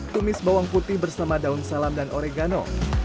tumis bawang putih bersama daun salam dan oregano